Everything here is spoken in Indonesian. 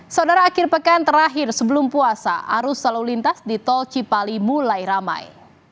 saudara akhir pekan terakhir sebelum puasa arus selalu lintas di tol cipali mulai ramai